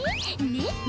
ねっ？